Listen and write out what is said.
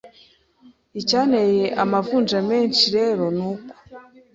Icyanteye amavunja menshi rero nuko